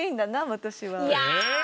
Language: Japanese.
私は。